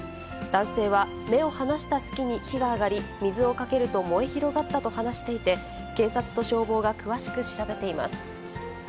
男性は目を離したすきに火が上がり、水をかけると燃え広がったと話していて、警察と消防が詳しく調べています。